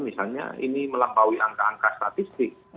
misalnya ini melampaui angka angka statistik